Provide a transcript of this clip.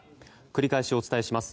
繰り返しお伝えします。